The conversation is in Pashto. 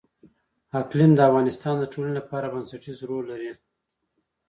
اقلیم د افغانستان د ټولنې لپاره بنسټيز رول لري.